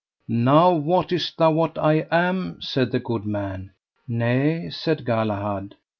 Now wottest thou what I am? said the good man. Nay, said Galahad.